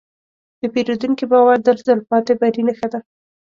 د پیرودونکي باور د تلپاتې بری نښه ده.